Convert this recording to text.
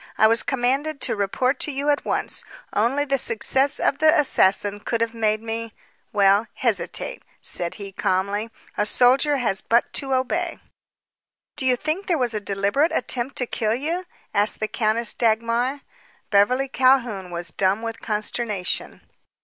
I was commanded to report to you at once. Only the success of the assassin could have made me well, hesitate," said he calmly. "A soldier has but to obey." "Do you think there was a deliberate attempt to kill you?" asked the Countess Dagmar. Beverly Calhoun was dumb with consternation.